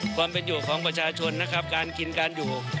ความเป็นอยู่ของประชาชนนะครับการกินการอยู่